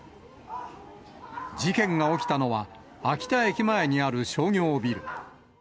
事件が起きたのは、秋田駅前にある商業ビル。